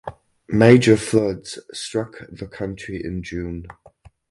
Major floods struck the country in June.